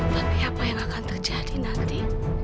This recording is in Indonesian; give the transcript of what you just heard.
tapi apa yang akan terjadi nanti